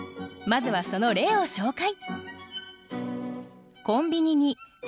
まずはその例を紹介。